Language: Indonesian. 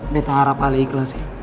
betahara pali ikhlasi